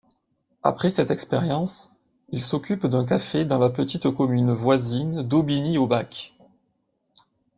Après cette expérience, il s'occupe d'un café dans la petite commune voisine d'Aubigny-au-Bac.